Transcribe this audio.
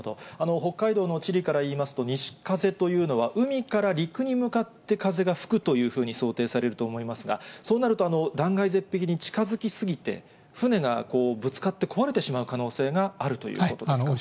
北海道の地理からいいますと、西風というのは、海から陸に向かって風が吹くというふうに想定されると思いますが、そうなると、断崖絶壁に近づき過ぎて、船がぶつかって、壊れてしまう可能性があるということですか？